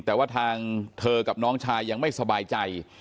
แต่ว่าทางเธอกับน้องชายยังไม่สบายใจ